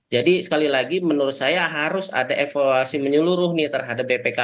jadi sekali lagi menurut saya harus ada evaluasi menyeluruh nih terhadap bpk